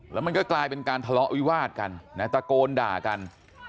แล้วมันก็กลายเป็นการทะเลาะวิวาดกันนะตะโกนด่ากัน